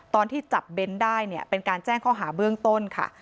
ตอนที่จับเบ้นได้เนี่ยเป็นการแจ้งข้อหาเบื้องต้นค่ะ